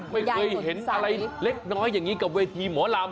ไม่เคยเห็นอะไรเล็กน้อยอย่างนี้กับเวทีหมอลำ